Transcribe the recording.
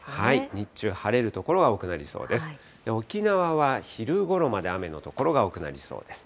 日中晴れる所が多くなりそうです。